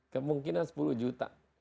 kemungkinan sepuluh juta